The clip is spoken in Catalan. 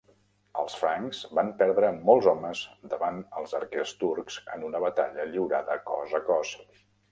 Els francs van perdre molts homes davant els arquers turcs en una batalla lliurada cos a cos.